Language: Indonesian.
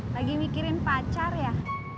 lagi mikirin pacar ya